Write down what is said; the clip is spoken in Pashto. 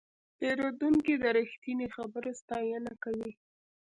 پیرودونکی د رښتیني خبرو ستاینه کوي.